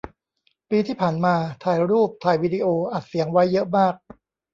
ปีที่ผ่านมา ถ่ายรูป ถ่ายวีดิโอ อัดเสียง ไว้เยอะมาก